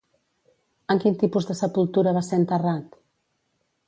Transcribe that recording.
En quin tipus de sepultura va ser enterrat?